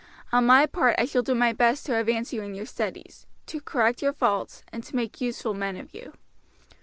On my part I shall do my best to advance you in your studies, to correct your faults, and to make useful men of you.